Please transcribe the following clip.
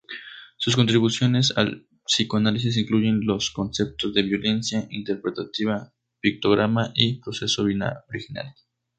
Sus contribuciones al psicoanálisis incluyen los conceptos de violencia interpretativa, pictograma y proceso originario.